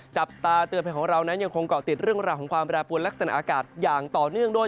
จับตาเตือนภัยของเรานั้นยังคงเกาะติดเรื่องราวของความแปรปวนลักษณะอากาศอย่างต่อเนื่องด้วย